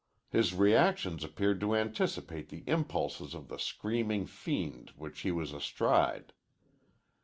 His reactions appeared to anticipate the impulses of the screaming fiend which he was astride.